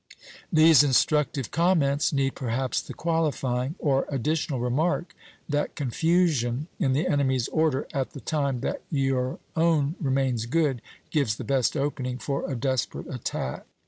These instructive comments need perhaps the qualifying, or additional, remark that confusion in the enemy's order at the time that your own remains good gives the best opening for a desperate attack.